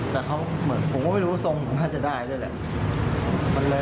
แต่เขาเหมือนผมก็ไม่รู้ทรงมันได้เลยอ่ะ